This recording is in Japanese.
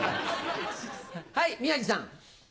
はい宮治さん。